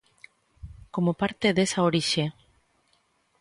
Como parte desa orixe.